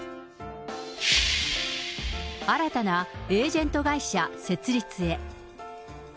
新たなエージェント会社設立へ。